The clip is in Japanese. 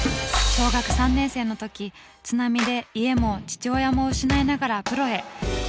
小学３年生の時津波で家も父親も失いながらプロへ。